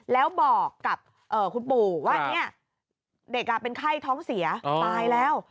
แล้วบอกกับคุณปู่ว่าเด็กเป็นไข้ท้องเสียตายแล้ว